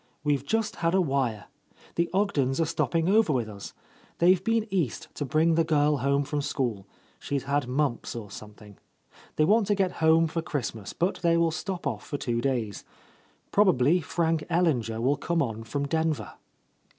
We've just had a wire. The Ogdens are stop ping over with us. They've been East to bring the girl home from school, — she's had mumps or something. They want to get home for Christ mas, but they will stop off for two days. Prob ably Frank Ellinger will come on from Denver."